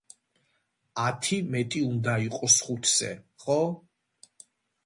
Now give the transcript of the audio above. ათი მეტი უნდა იყოს ხუთზე. ხო?